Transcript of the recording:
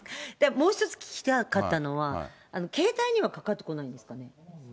もう１つ聞きたかったのは、携帯にはかかってこないんですかね。